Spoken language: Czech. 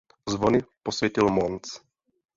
Zvony posvětil Mons.